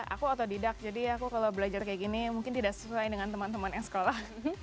aku otodidak jadi aku kalau belajar kayak gini mungkin tidak sesuai dengan teman teman yang sekolah